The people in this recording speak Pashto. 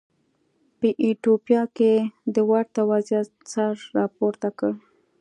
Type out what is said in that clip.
په ایتوپیا کې د ورته وضعیت سر راپورته کړ.